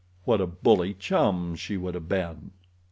What a bully chum she would have been!